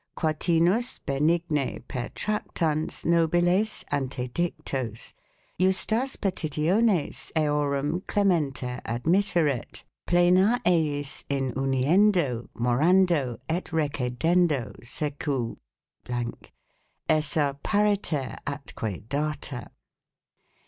quatinus benigne pertractans nobiles ante dictos, iustas petitiones eorum clementer admitteret 8 plena eis in uniendo. morando. et recedendo secu ...... essa pariter atque data.